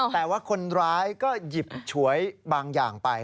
แต่ว่าคนร้ายก็หยิบฉวยบางอย่างไป